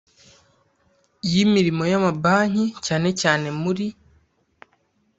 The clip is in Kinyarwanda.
y imirimo y amabanki cyane cyane mu in